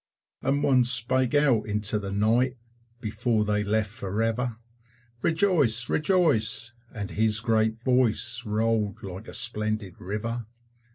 And one spake out into the night, Before they left for ever, "Rejoice, rejoice!" and his great voice Rolled like a splendid river.